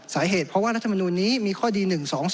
สาเหตุเพราะว่ารัฐมนูลนี้มีข้อดี๑๒๒